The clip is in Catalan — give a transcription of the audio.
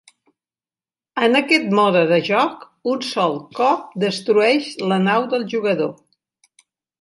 En aquest mode de joc, un sol cop destrueix la nau del jugador.